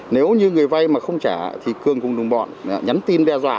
nếu như người vay mà không trả thì cường cùng đồng bọn nhắn tin đe dọa